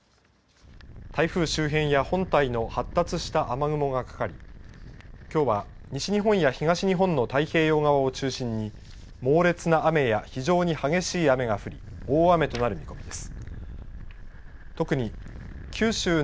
台風周辺や本体の発達した雨雲がかかりきょうは西日本や東日本の太平洋側を中心に猛烈な雨や非常に激しい雨が降り大雨となる見込みです。